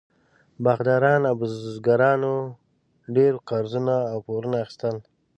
باغداران او بزګرانو ډېر قرضونه او پورونه اخیستل.